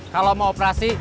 kalau mau operasi